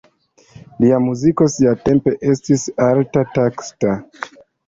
Lia muziko siatempe estis alte taksata.